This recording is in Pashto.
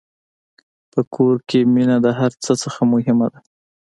په کور کې مینه د هر څه نه مهمه ده.